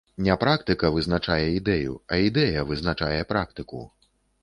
Не практыка вызначае ідэю, а ідэя вызначае практыку.